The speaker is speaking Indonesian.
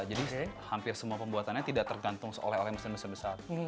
jadi hampir semua pembuatannya tidak tergantung oleh mesin mesin besar